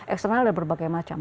external dari berbagai macam